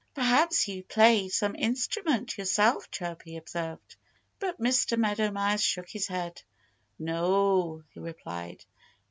"Perhaps you play some instrument yourself," Chirpy observed. But Mr. Meadow Mouse shook his head. "No!" he replied.